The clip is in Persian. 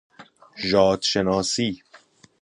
ژاد شناسی